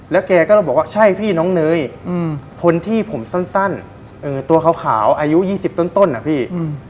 แกก็เลยบอกว่าใช่พี่น้องเนยคนที่ผมสั้นตัวขาวอายุ๒๐ต้นนะพี่